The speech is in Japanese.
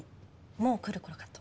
もう来る頃かと。